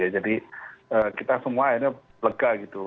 jadi kita semua akhirnya lega gitu